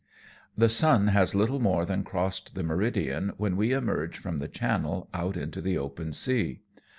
The sun has little more than crossed the meridian when we emerge from the channel out into the open sea.